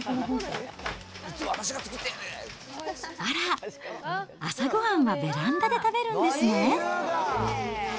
あら、朝ごはんはベランダで食べるんですね。